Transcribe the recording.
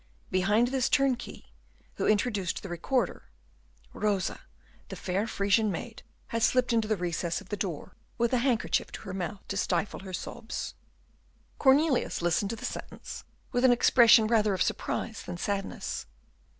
Behind this turnkey, who introduced the Recorder, Rosa, the fair Frisian maid, had slipped into the recess of the door, with a handkerchief to her mouth to stifle her sobs. Cornelius listened to the sentence with an expression rather of surprise than sadness.